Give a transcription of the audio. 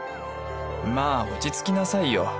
「まあ落ち着きなさいよ」